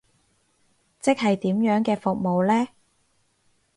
即係點樣嘅服務呢？